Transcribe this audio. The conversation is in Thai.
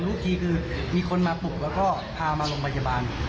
รู้ทีคือมีคนมาปลุกแล้วก็พามาโรงพยาบาล